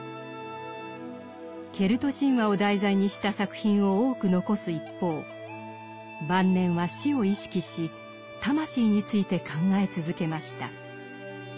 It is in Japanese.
ケルト神話を題材にした作品を多く残す一方晩年は死を意識し魂について考え続けました。